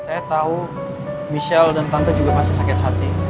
saya tahu michelle dan tante juga pasti sakit hati